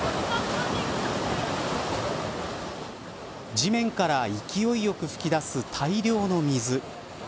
地面から勢いよく噴き出す大量の水。